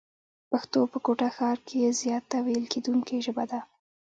پښتو په کوټه ښار کښي زیاته ويل کېدونکې ژبه ده.